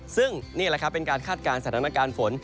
ซึ่งนี่แหละครับเป็นการคาดการณ์สถานการณ์ฝน